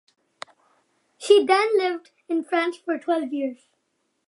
She then lived in France for twelve years.